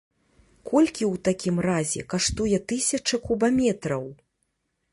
Колькі ў такім разе каштуе тысяча кубаметраў?